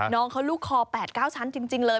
น้องเขาลูกคอ๘๙ชั้นจริงเลย